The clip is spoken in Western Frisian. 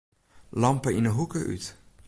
Lampe yn 'e hoeke út.